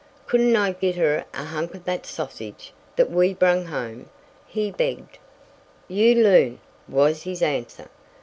"Couldn't I git her a hunk of thet sausage that we brung home?" he begged. "You loon," was his answer.